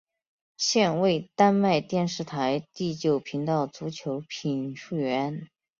现为丹麦电视台第九频道足球评述员。